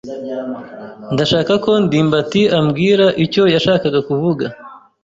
Ndashaka ko ndimbati ambwira icyo yashakaga kuvuga.